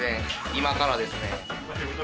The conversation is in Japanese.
今からです。